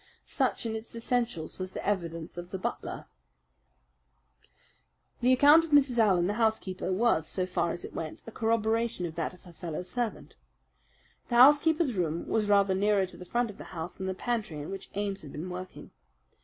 Such, in its essentials, was the evidence of the butler. The account of Mrs. Allen, the housekeeper, was, so far as it went, a corroboration of that of her fellow servant. The housekeeper's room was rather nearer to the front of the house than the pantry in which Ames had been working.